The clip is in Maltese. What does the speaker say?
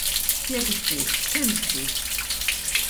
Jekk żdied, b'kemm żdied?